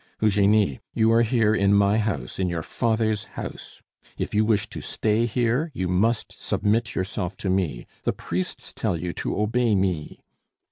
"Eugenie, you are here, in my house, in your father's house. If you wish to stay here, you must submit yourself to me. The priests tell you to obey me."